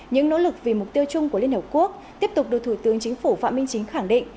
những nỗ lực vì mục tiêu chung của liên hợp quốc tiếp tục được thủ tướng chính phủ phạm minh chính khẳng định